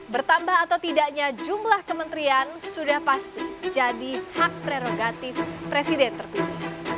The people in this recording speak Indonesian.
bertambah atau tidaknya jumlah kementerian sudah pasti jadi hak prerogatif presiden terpilih